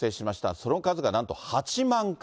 その数がなんと８万回。